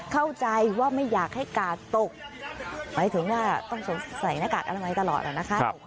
เข้าใจว่าไม่อยากให้การด์ตกไปถึงต้องใส่หน้ากากอาลาเมนต์ตลอดแล้วนะคะ